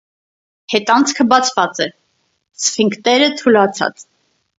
Հետանցքը բացված է, սֆինկտերը թուլացած։